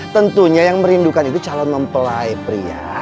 tentunya yang merindukan itu calon mempelai pria